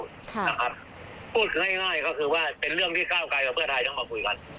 นะครับพูดง่ายง่ายก็คือว่าเป็นเรื่องที่ก้าวกล่ายของเพื่อไทยต้องบอกคุยก่อน